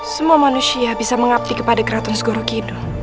semua manusia bisa mengabdi kepada keraton segoro kidul